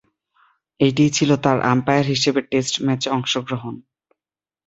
এটিই ছিল তার আম্পায়ার হিসেবে টেস্ট ম্যাচে অংশগ্রহণ।